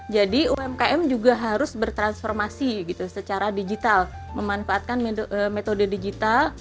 jadi umkm juga harus bertransformasi gitu secara digital memanfaatkan metode digital